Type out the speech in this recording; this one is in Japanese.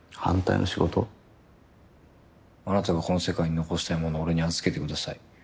「あなたがこの世界に残したいもの俺に預けてください」。